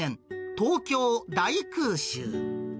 東京大空襲。